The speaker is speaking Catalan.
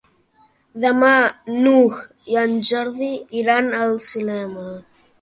Demà n'Hug i en Jordi iran al cinema.